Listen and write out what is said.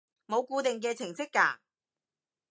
冇固定嘅程式㗎